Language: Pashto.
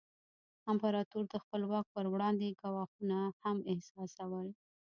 امپراتور د خپل واک پر وړاندې ګواښونه هم احساسول.